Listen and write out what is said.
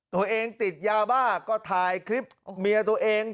ตัวเองติดยาบ้าก็ถ่ายคลิปเมียตัวเอง